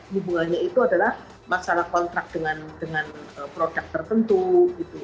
hubungannya itu adalah masalah kontrak dengan produk tertentu gitu